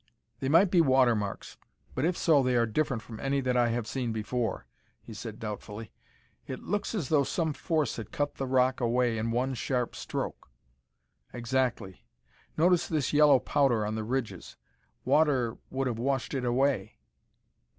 "They might be water marks but if so they are different from any that I have seen before," he said doubtfully. "It looks as though some force had cut the rock away in one sharp stroke." "Exactly. Notice this yellow powder on the ridges. Water would have washed it away."